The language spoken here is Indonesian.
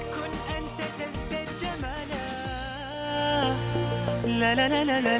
ku nantai tes terjemahan